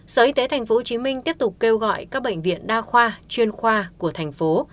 sở y tế tp hcm tiếp tục kêu gọi các bệnh viện đa khoa chuyên khoa của thành phố